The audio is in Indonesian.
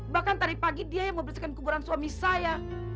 bahkan tadi pagi dia yang membersihkan kuburan suami saya